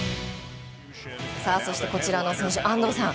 こちらの選手、安藤さん